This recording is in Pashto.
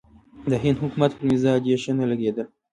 د هند حکومت پر مزاج یې ښه نه لګېدل.